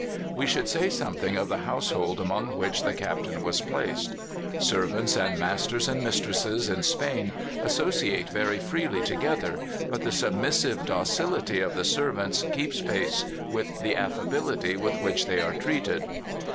We should say something of the household among which the Captain was placed. Servants and masters and mistresses in Spain associate very freely together, but the submissive docility of the servants keeps pace with the affability with which they are treated.